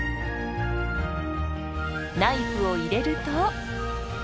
ナイフを入れると。